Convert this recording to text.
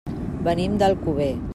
Venim d'Alcover.